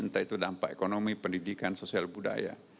entah itu dampak ekonomi pendidikan sosial budaya